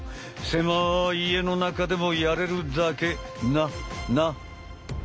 狭い家の中でもやれるだけ。な！な！